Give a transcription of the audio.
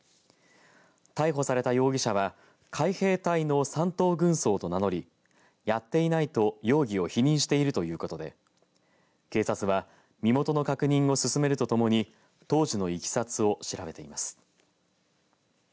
逮捕された容疑者は海兵隊の三等軍曹と名乗りやっていないと容疑を否認しているということで警察は身元の確認を進めるとともに当時のいきさつを調べています。